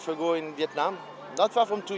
tôi đến việt nam một năm và một nửa năm trước